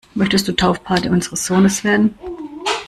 Möchtest du Taufpate unseres Sohnes werden?